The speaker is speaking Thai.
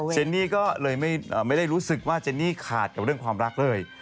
เนนี่ก็เลยไม่ได้รู้สึกว่าเจนนี่ขาดกับเรื่องความรักเลย